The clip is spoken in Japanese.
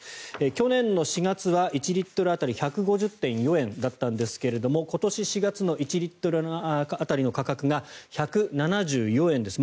去年の４月は１リットル当たり１５０．４円だったんですが今年４月の１リットル当たりの価格が１７４円です。